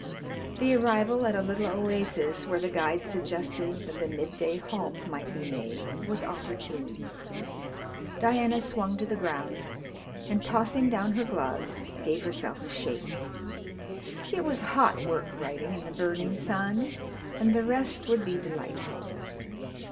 The arrival at a little oasis where the guide suggested that the midday halt might be made was opportune. Diana swung to the ground, and, tossing down her gloves, gave herself a shake. It was hot work riding in the burning sun and the rest would be delightful.